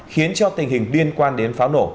khiến cho tình hình liên quan đến pháo nổ